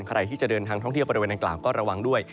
ใครที่จะเดินทางท่องเที่ยวบริเวณดังกล่าวก็ระวังด้วย